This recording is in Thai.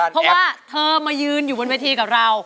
เพราะว่าเธอมายืนอยู่บนเวทีกับเรา